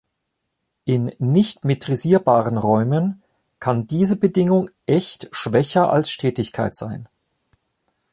In nicht-metrisierbaren Räumen kann diese Bedingung echt schwächer als Stetigkeit sein.